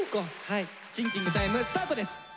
シンキングタイムスタートです。